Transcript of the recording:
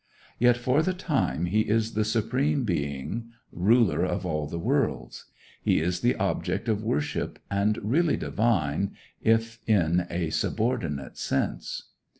Yet, for the time, he is the Supreme Being, Ruler of all the Worlds. He is the object of worship, and really divine, if in a subordinate sense.